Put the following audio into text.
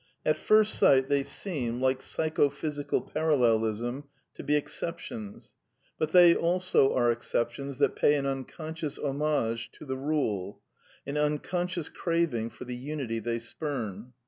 At first sight they seem, like Psychophysical Parallelism, to be exceptions; but they also are exceptions that pay an un conscious homage to the rule, an unconscious craving for the unity they spurn.